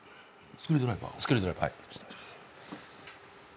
スクリュードライバー。